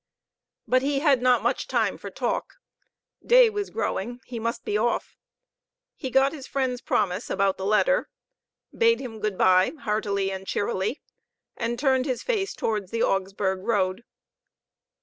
But he had not much time for talk. Day was growing; he must be off. He got his friend's promise about the letter, bade him good by heartily and cheerily, and turned his face towards the Augsburg road.